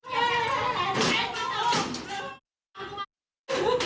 ไอ้แม่ได้เอาแม่ดูนะ